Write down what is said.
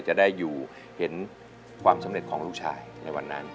จะได้อยู่เห็นความสำเร็จของลูกชายในวันนั้น